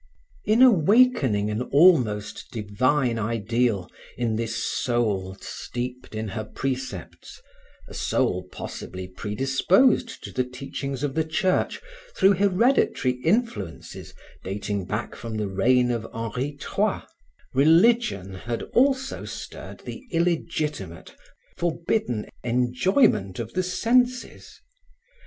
In awakening an almost divine ideal in this soul steeped in her precepts a soul possibly predisposed to the teachings of the Church through hereditary influences dating back from the reign of Henry III, religion had also stirred the illegitimate, forbidden enjoyment of the senses.